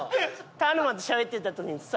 タニマとしゃべってた時にさ。